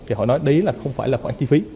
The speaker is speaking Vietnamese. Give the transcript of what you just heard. thì họ nói đấy là không phải là khoản chi phí